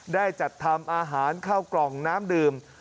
ได้จัดทำอาหารเข้ากล่องน้ำดื่ม